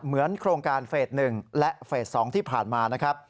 เหมือนโครงการเฟส๑และเฟส๒ที่ผ่านมานะครับ